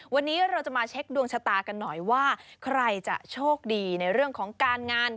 วันนี้เราจะมาเช็คดวงชะตากันหน่อยว่าใครจะโชคดีในเรื่องของการงาน